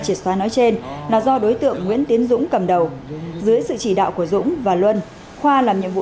triệt xóa nói trên là do đối tượng nguyễn tiến dũng cầm đầu dưới sự chỉ đạo của dũng và luân khoa làm nhiệm vụ